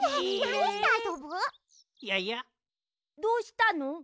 どうしたの？